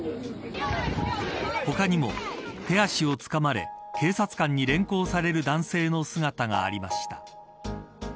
他にも手足をつかまれ警察官に連行される男性の姿がありました。